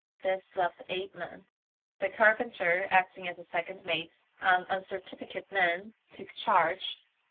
This left eight men. The carpenter acting as second mate (an uncertificated man) took charge.